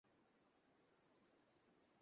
ও মাত্র কলেজ শেষ করে এলো।